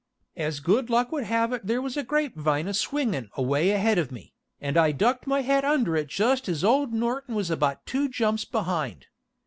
As good luck would have it there was a grape vine a swingin' away ahead of me, and I ducked my head under it just as old Norton was about two jumps behind.